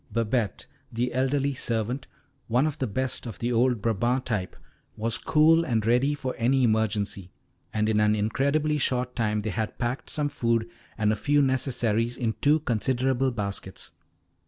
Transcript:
Babette, the elderly servant, one of the best of the old Brabant type, was cool and ready for any emergency, and in an incredibly short time they had packed some food and a few necessaries in two considerable baskets.